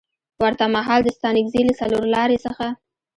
ورته مهال د ستانکزي له څلورلارې څخه